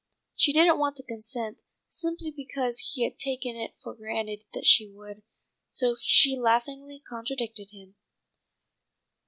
She didn't want to consent, simply because he had taken it for granted that she would, so she laughingly contradicted him.